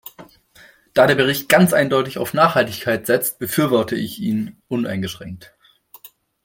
Da der Bericht ganz eindeutig auf Nachhaltigkeit setzt, befürworte ich ihn uneingeschränkt.